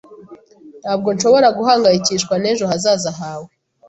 Ntabwo nshobora guhangayikishwa n'ejo hazaza hawe.